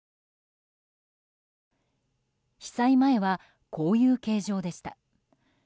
被災前は、こういう形状でした。